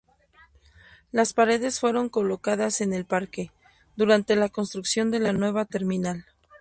Las paredes fueron colocadas en el parque, durante la construcción de la nueva terminal.